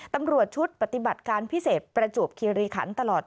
ตำรวจชุดปฏิบัติการพิเศษประจวบคิริขันตลอด